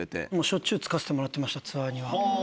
しょっちゅうつかせてもらってましたツアーには。